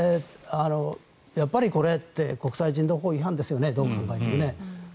やっぱりこれって国際人道法違反ですよねどう考えても。